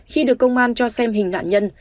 khi được công an cho xem hình nạn nhân